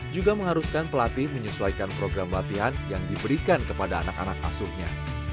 juga mengharuskan pelatih menyesuaikan program latihan yang diberikan kepada anak anak asuhnya